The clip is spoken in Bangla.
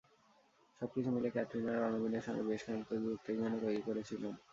সবকিছু মিলিয়ে ক্যাটরিনা রণবীরের সঙ্গে বেশ খানিকটা দূরত্বই যেন তৈরি করেছিলেন।